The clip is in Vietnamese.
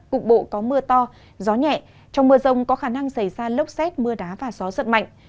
cục bộ có mưa to gió nhẹ trong mưa rông có khả năng xảy ra lốc xét mưa đá và gió giật mạnh